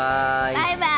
バイバイ！